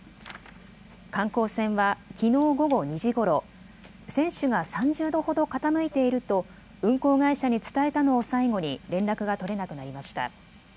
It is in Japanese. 観光船はきのう午後２時ごろ船首が３０度ほど傾いていると運航会社に伝えたのを最後に連絡が取れなくなりました。